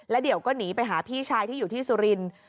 เดี๋ยวก็หนีไปหาพี่ชายที่อยู่ที่สุรินทร์